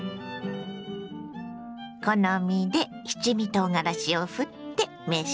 好みで七味とうがらしをふって召し上がれ。